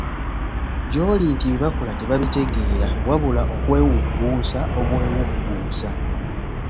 Gy'oli nti bye bakola tebabitegeera wabula okwewugguusa obwewugguusa.